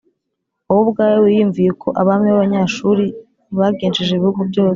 Wowe ubwawe, wiyumviye uko abami b’Abanyashuru bagenjeje ibihugu byose,